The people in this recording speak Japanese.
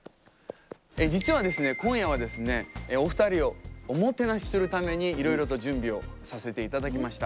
実は今夜はお二人をおもてなしするためにいろいろと準備をさせていただきました。